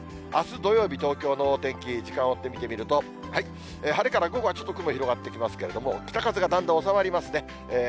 あす土曜日、東京のお天気、時間を追って見てみると、晴れから午後はちょっと雲広がってきますけれども、北風がだんだん収まりますね。